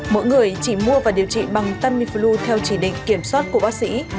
mỗi người chỉ mua và điều trị bằng tamiflu theo chỉ định kiểm soát của bác sĩ